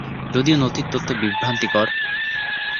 যদিও নথির তথ্য বিভ্রান্তিকর।